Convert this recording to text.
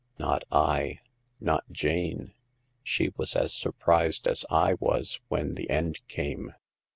" Not I ; not Jane. She was as surprised as I was when the end came.